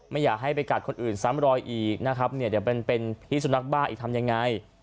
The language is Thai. ไม่อยากให้ไปกัดคนอื่นซ้ำรอยอีกนะครับเนี่ยเดี๋ยวเป็นพิสุนัขบ้าอีกทำยังไง